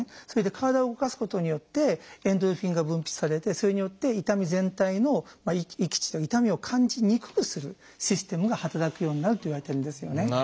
それで体を動かすことによってエンドルフィンが分泌されてそれによって痛み全体の閾値痛みを感じにくくするシステムが働くようになるといわれてるんですよね。